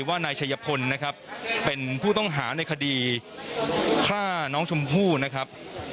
ว่านายชัยพลนะครับเป็นผู้ต้องหาในคดีฆ่าน้องชมพู่นะครับ